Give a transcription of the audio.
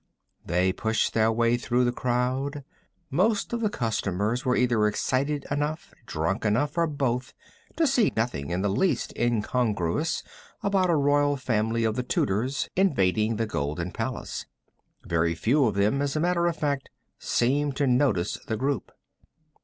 They pushed their way through the crowd. Most of the customers were either excited enough, drunk enough, or both to see nothing in the least incongruous about a Royal Family of the Tudors invading the Golden Palace. Very few of them, as a matter of fact, seemed to notice the group.